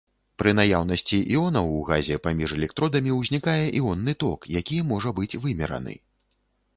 Пры наяўнасці іонаў у газе паміж электродамі ўзнікае іонны ток, які можа быць вымераны.